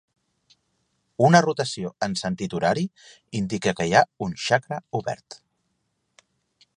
Una rotació en sentit horari indica que hi ha un txakra obert.